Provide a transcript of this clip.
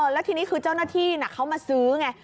แล้วทีนี้คือเจ้าหน้าที่เขามาซื้อไง